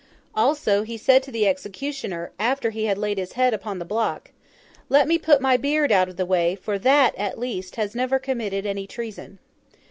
Also he said to the executioner, after he had laid his head upon the block, 'Let me put my beard out of the way; for that, at least, has never committed any treason.